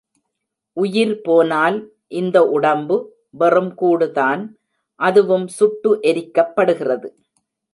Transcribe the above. உயிர் போனால் இந்த உடம்பு வெறும் கூடுதான் அதுவும் சுட்டு எரிக்கப்படுகிறது.